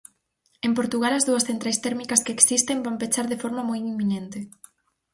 En Portugal as dúas centrais térmicas que existen van pechar de forma moi inminente.